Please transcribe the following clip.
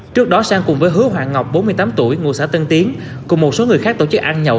trước đó sang cùng với hứa hoàng ngọc bốn mươi tám tuổi ngụ xã tân tiến cùng một số người khác tổ chức ăn nhậu